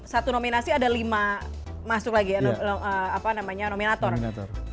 satu nominasi ada lima masuk lagi nominator